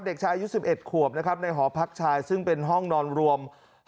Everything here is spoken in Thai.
เด็กชายอายุ๑๑ขวบนะครับในหอพักชายซึ่งเป็นห้องนอนรวม